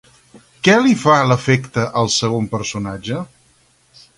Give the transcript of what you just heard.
Què li fa l'efecte al segon personatge?